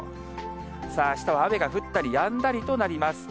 さあ、あしたは雨が降ったりやんだりとなります。